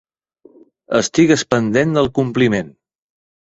Estigues pendent del compliment.